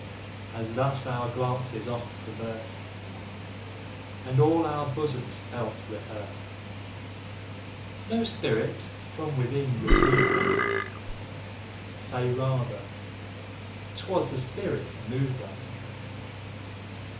As thus our glances oft convers'd, And all our bosoms felt rehears'd, No spirit from within, reprov'd us, Say rather, "'twas the spirit mov'd us."